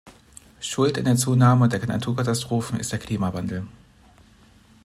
Schuld an der Zunahme der Naturkatastrophen ist der Klimawandel.